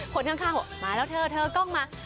คนข้างมาแล้วเธอเธอกล้องมา